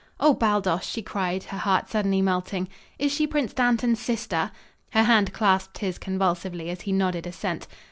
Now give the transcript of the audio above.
"Oh, Baldos!" she cried, her heart suddenly melting. "Is she Prince Dantan's sister?" Her hand clasped his convulsively, as he nodded assent.